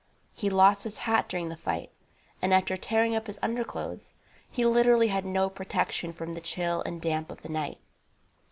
He lost his hat during the fight, and, after tearing up his underclothes, he literally had no protection from the chill and damp of the night.